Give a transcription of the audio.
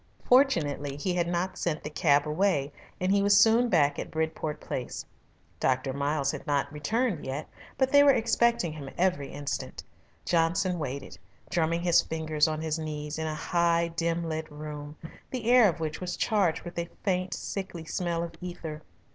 Fortunately he had not sent the cab away, and he was soon back at Bridport Place. Dr. Miles had not returned yet, but they were expecting him every instant. Johnson waited, drumming his fingers on his knees, in a high, dim lit room, the air of which was charged with a faint, sickly smell of ether.